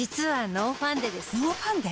ノーファンデ？